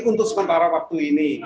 untuk sementara waktu ini